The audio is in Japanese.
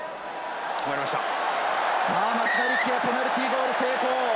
松田力也、ペナルティーゴール成功。